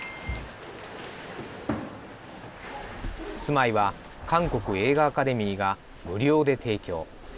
住まいは韓国映画アカデミーが無料で提供。